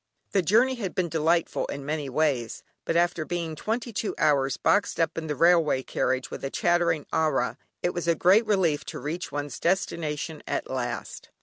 The journey had been delightful in many ways, but after being twenty two hours boxed up in a railway carriage with a chattering ayah, it was a great relief to reach one's destination at last.